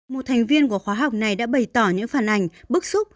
một thành viên của khóa học này đã bày tỏ những phản ảnh bức xúc